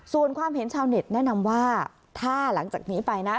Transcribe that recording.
ส่วนความเห็นชาวเน็ตแนะนำว่าถ้าหลังจากนี้ไปนะ